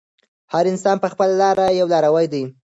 هر انسان په خپله لاره یو لاروی دی.